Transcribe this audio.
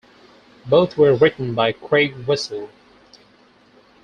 Both were written by Craig Wessel.